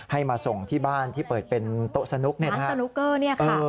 ให้มาส่งที่บ้านที่เปิดเป็นโต๊ะสนุกเนี่ยค่ะ